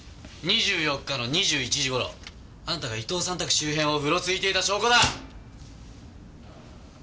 ２４日の２１時頃あんたが伊東さん宅周辺をうろついていた証拠だ！